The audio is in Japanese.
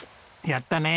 やったね！